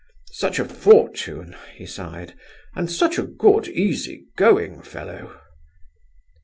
"Such a fortune!" he sighed, "and such a good, easy going fellow!"